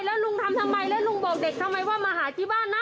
แล้วลุงทำทำไมแล้วลุงบอกเด็กทำไมว่ามาหาที่บ้านนะ